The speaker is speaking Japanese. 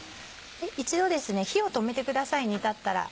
一度ですね火を止めてください煮立ったら。